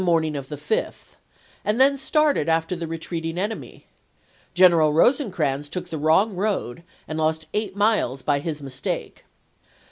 ing of the 5th, and then started after the retreating enemy; General Eosecrans took the wrong road, and lost eight miles by his mistake.